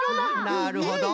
なるほど。